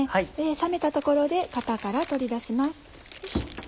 冷めたところで型から取り出します。